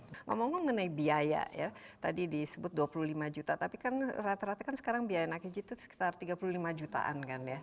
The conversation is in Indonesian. ngomong ngomong mengenai biaya ya tadi disebut dua puluh lima juta tapi kan rata rata kan sekarang biaya naik haji itu sekitar tiga puluh lima jutaan kan ya